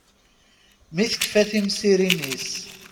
Mi tekfa timsirin-is.